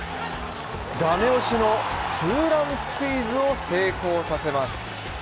駄目押しのツーランスクイズを成功させます。